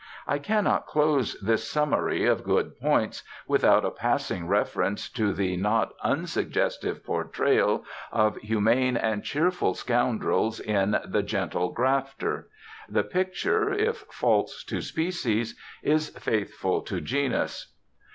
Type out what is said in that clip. I cannot close this summary of good points without a passing reference to the not unsuggestive portrayal of humane and cheerful scoundrels in the "Gentle Grafter." The picture, if false to species, is faithful to genus.